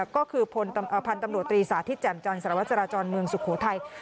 ก็คือพันธุ์ตำรวจตรีสาธิตแจ่มจันสารวจราจรเมืองสุโขทัย